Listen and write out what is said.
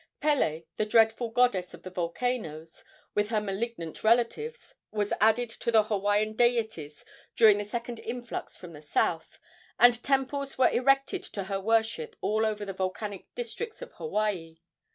Pele, the dreadful goddess of the volcanoes, with her malignant relatives, was added to the Hawaiian deities during the second influx from the south, and temples were erected to her worship all over the volcanic districts of Hawaii.